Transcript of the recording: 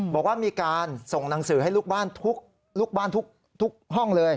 บอกว่ามีการส่งหนังสือให้ลูกบ้านทุกห้องเลย